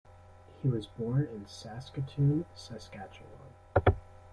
He was born in Saskatoon, Saskatchewan.